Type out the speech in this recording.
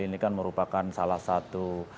ini kan merupakan salah satu